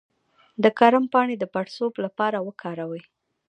د کرم پاڼې د پړسوب لپاره وکاروئ